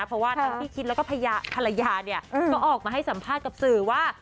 เพราะว่าทั้งพี่คิดแล้วก็ภรรยาเนี่ยก็ออกมาให้สัมภาษณ์กับสื่อว่า